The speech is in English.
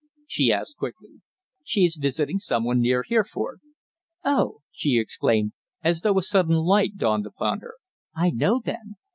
she asked quickly. "She's visiting someone near Hereford." "Oh!" she exclaimed, as though a sudden light dawned upon her. "I know, then.